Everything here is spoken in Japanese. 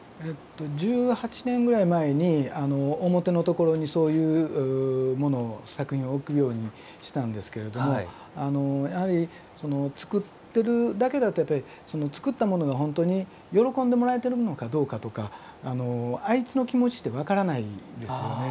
１８年ぐらい前に表のところにそういうものを作品を置くようにしたんですけれどもやはり作ってるだけだとその作ったものが本当に喜んでもらえてるのかどうかとか相手の気持ちって分からないですよね。